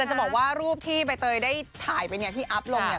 แต่จะบอกว่ารูปที่เตยได้ถ่ายไปที่อัพลงเนี่ย